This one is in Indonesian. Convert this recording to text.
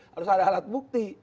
harus ada alat bukti